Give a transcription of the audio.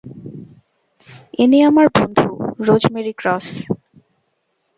ইনি আমার বন্ধু, রোজমেরি ক্রস।